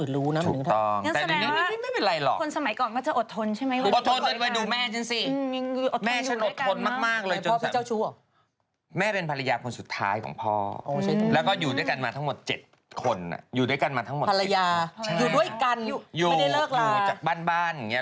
อยู่ด้วยกันมาทั้งหมด๗คนใช่ไหมครับภรรยาอยู่ด้วยกันไม่ได้เลิกลาอยู่อยู่จากบ้านอย่างนี้